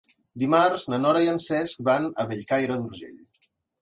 Dimarts na Nora i en Cesc van a Bellcaire d'Urgell.